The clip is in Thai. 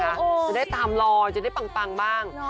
จะได้ตามลอยจะได้ปังบ้าง